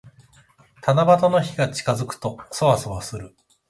七夕の日が近づくと、そわそわする。